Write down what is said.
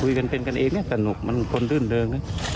คุยกันเป็นกันเองเนี่ยสนุกมันคนดื่นเดิม